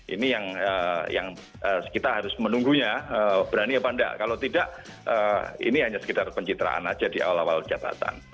ini yang kita harus menunggunya berani apa enggak kalau tidak ini hanya sekitar pencitraan aja di awal awal jabatan